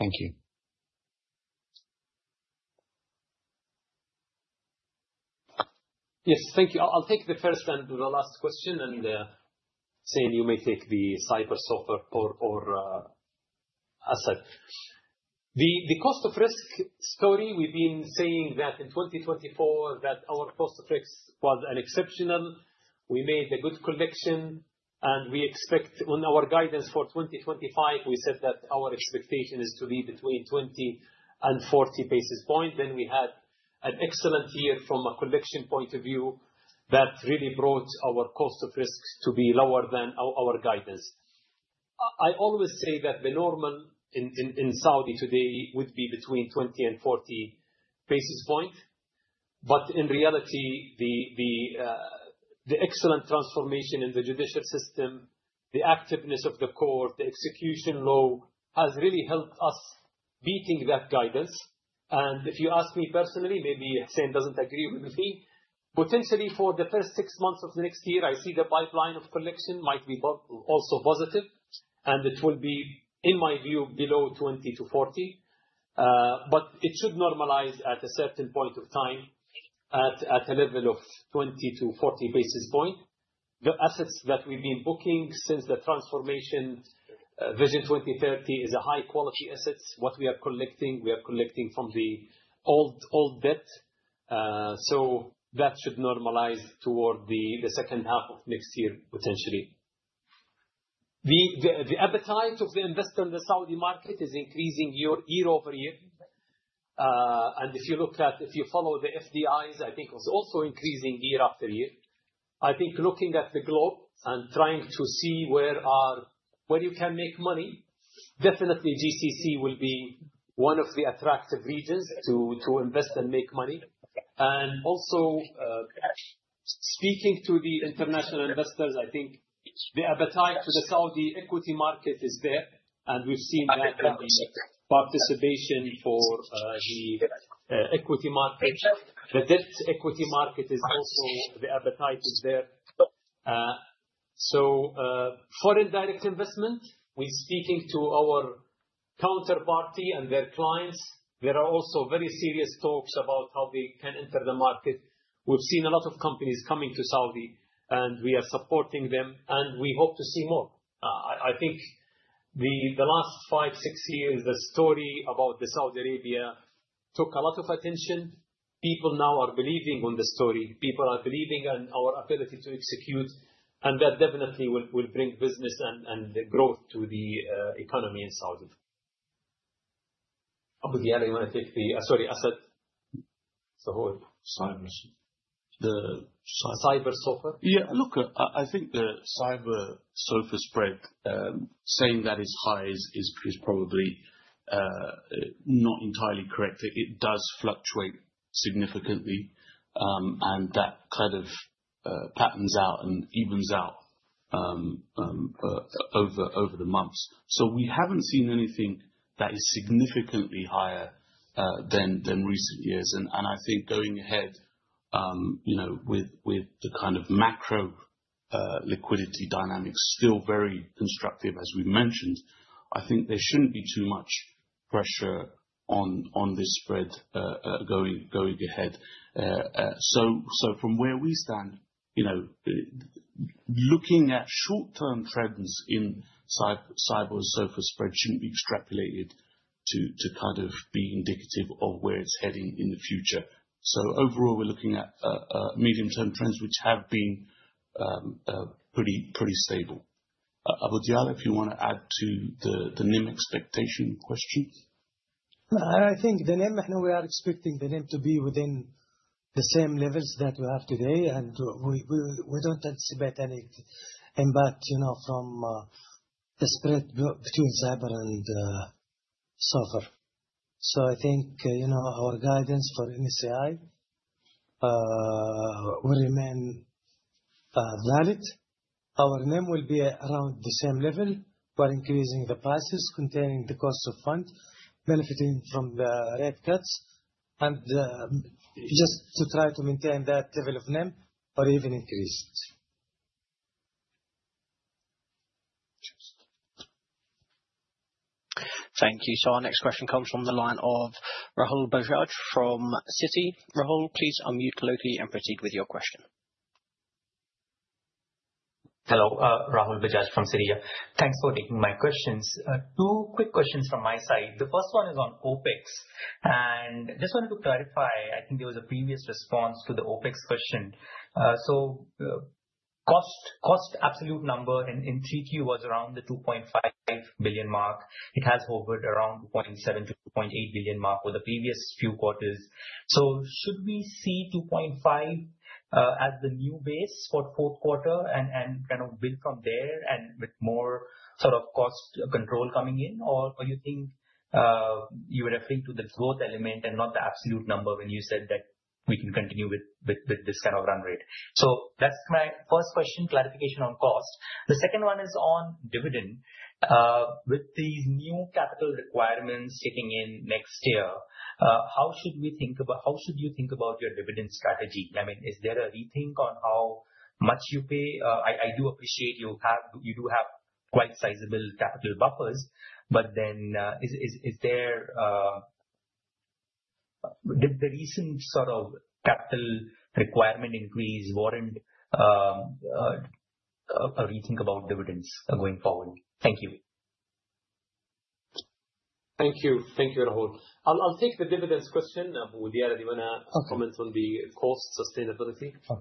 S12: Thank you.
S4: Yes, thank you. I'll take the first and the last question, and, you may take the SAIBOR-SOFR or asset. The cost of risk story, we've been saying that in 2024 that our cost of risk was unexceptional. We made a good collection, and we expect. On our guidance for 2025, we said that our expectation is to be between 20 and 40 basis points. We had an excellent year from a collection point of view that really brought our cost of risk to be lower than our guidance. I always say that the normal in Saudi today would be between 20 and 40 basis point. In reality, the excellent transformation in the judicial system, the activeness of the court, the Execution Law, has really helped us beating that guidance. If you ask me personally, maybe Hussein Eid doesn't agree with me, potentially for the first six months of next year, I see the pipeline of collection might be also positive, and it will be, in my view, below 20-40 basis points. But it should normalize at a certain point of time at a level of 20-40 basis points. The assets that we've been booking since the transformation, Vision 2030 are high-quality assets. What we are collecting, we are collecting from the old debt. So that should normalize toward the second half of next year, potentially. The appetite of the investor in the Saudi market is increasing year over year. If you follow the FDIs, I think it was also increasing year after year. I think looking at the globe and trying to see where you can make money, definitely GCC will be one of the attractive regions to invest and make money. Also, speaking to the international investors, I think the appetite to the Saudi equity market is there, and we've seen that participation for the equity market. The debt and equity market is also the appetite is there. Foreign Direct Investment, we're speaking to our counterparty and their clients. There are also very serious talks about how they can enter the market. We've seen a lot of companies coming to Saudi, and we are supporting them, and we hope to see more. I think the last 5, 6 years, the story about the Saudi Arabia took a lot of attention. People now are believing on the story. People are believing in our ability to execute, and that definitely will bring business and the growth to the economy in Saudi. Hussein Eid. Sorry, Raja Asad Khan.
S13: SAIBOR.
S4: The SAIBOR-SOFR?
S13: Yeah. Look, I think the SAIBOR-SOFR spread saying that it's high is probably not entirely correct. It does fluctuate significantly, and that kind of pans out and evens out over the months. We haven't seen anything that is significantly higher than recent years. I think going ahead, you know, with the kind of macro liquidity dynamics still very constructive, as we've mentioned, I think there shouldn't be too much pressure on this spread going ahead. From where we stand, you know, looking at short-term trends in SAIBOR-SOFR spread shouldn't be extrapolated to kind of be indicative of where it's heading in the future. Overall, we're looking at medium-term trends, which have been pretty stable. Hussein Eid, if you wanna add to the NIM expectation question.
S6: I think the NIM, we are expecting the NIM to be within the same levels that we have today, and we don't anticipate any impact, you know, from the spread between SAIBOR and SOFR. I think, you know, our guidance for NCI will remain valid. Our NIM will be around the same level. We're increasing the prices, containing the cost of fund, benefiting from the rate cuts, and just to try to maintain that level of NIM or even increase it.
S13: Cheers.
S1: Thank you. Our next question comes from the line of Rahul Bajaj from Citi. Rahul, please unmute locally and proceed with your question.
S14: Hello. Rahul Bajaj from Citi. Thanks for taking my questions. Two quick questions from my side. The first one is on OpEx. Just wanted to clarify, I think there was a previous response to the OpEx question. So, cost absolute number in 3Q was around the 2.5 billion mark. It has hovered around 0.7 billion-0.8 billion mark for the previous few quarters. So should we see 2.5 as the new base for fourth quarter and kind of build from there and with more sort of cost control coming in? Or you think you were referring to the growth element and not the absolute number when you said that we can continue with this kind of run rate? So that's my first question, clarification on cost. The second one is on dividend. With these new capital requirements kicking in next year, how should you think about your dividend strategy? I mean, is there a rethink on how much you pay? I do appreciate you do have quite sizable capital buffers, but then, did the recent sort of capital requirement increase warrant a rethink about dividends going forward? Thank you.
S4: Thank you. Thank you, Rahul. I'll take the dividends question. Hussein Eid, do you wanna comment on the cost sustainability?
S6: Okay.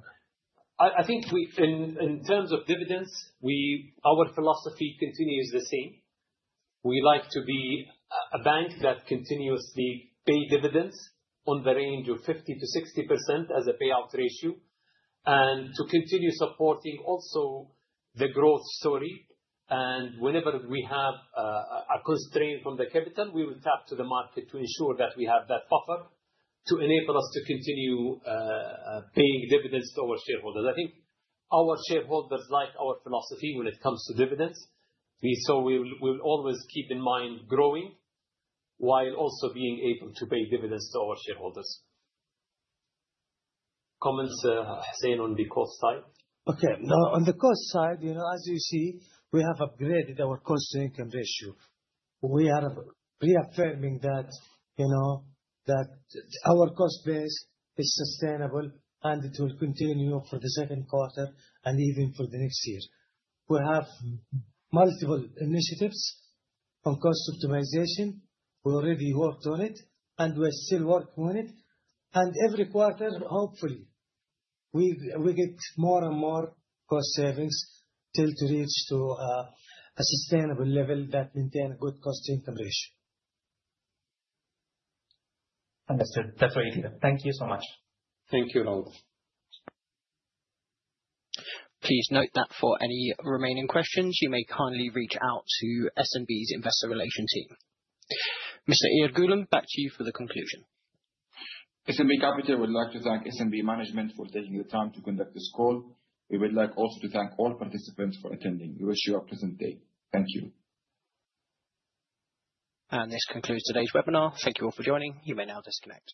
S4: I think, in terms of dividends, our philosophy continues the same. We like to be a bank that continuously pay dividends in the range of 50%-60% as a payout ratio and to continue supporting also the growth story. Whenever we have a constraint from the capital, we will tap to the market to ensure that we have that buffer to enable us to continue paying dividends to our shareholders. I think our shareholders like our philosophy when it comes to dividends. We'll always keep in mind growing while also being able to pay dividends to our shareholders. Comments, Hussein, on the cost side?
S6: Okay. No, on the cost side, you know, as you see, we have upgraded our cost-to-income ratio. We are reaffirming that, you know, that our cost base is sustainable, and it will continue for the second quarter and even for the next year. We have multiple initiatives on cost optimization. We already worked on it, and we're still working on it. Every quarter, hopefully, we get more and more cost savings till to reach to a sustainable level that maintain good cost-to-income ratio.
S14: Understood. That's very clear. Thank you so much.
S4: Thank you, Rahul.
S1: Please note that for any remaining questions, you may kindly reach out to SNB's Investor Relations team. Mr. Iyad Ghulam, back to you for the conclusion.
S3: SNB Capital would like to thank SNB management for taking the time to conduct this call. We would like also to thank all participants for attending. We wish you a pleasant day. Thank you.
S1: This concludes today's webinar. Thank you all for joining. You may now disconnect.